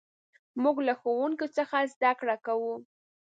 موږ له ښوونکي څخه زدهکړه کوو.